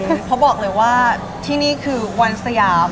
เพราะบอกเลยว่าที่นี่คือวันสยาม